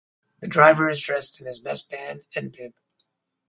The driver is dressed in his best band and bib.